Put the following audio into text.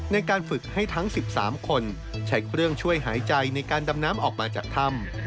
ในการฝึกให้ทั้ง๑๓คนใช้เครื่องช่วยหายใจในการดำน้ำออกมาจากถ้ำ